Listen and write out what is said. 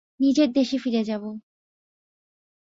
নিজের দেশে ফিরে যাব।